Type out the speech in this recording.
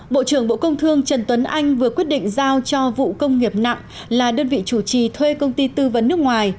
bộ trưởng bộ công thương trần tuấn anh vừa quyết định giao cho vụ công nghiệp nặng là đơn vị chủ trì thuê công ty tư vấn nước ngoài